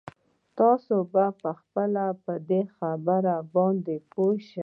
تاسې به خپله په دې خبره باندې پوه شئ.